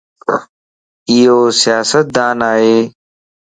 ايو سياستدان ائي